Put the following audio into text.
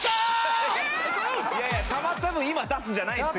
いやいやたまった分今出すじゃないんですよ。